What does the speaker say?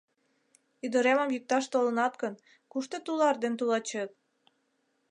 — Ӱдыремым йӱкташ толынат гын, кушто тулар ден тулачет?